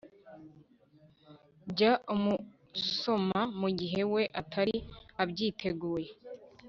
jya umusoma mu gihe we atari abyiteguye